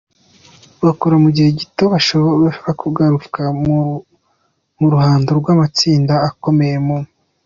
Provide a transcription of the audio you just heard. bakora mu gihe gito bashobora kugaruka mu ruhando rw'amatsinda akomeye mu